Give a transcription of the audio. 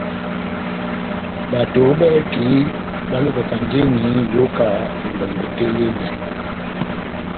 Bato bɛ́hɛ́pi balukakandini iyoka elombɛ tɛ́h yehenɛ.